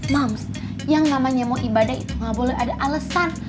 moms yang namanya mau ibadah itu gak boleh ada alasan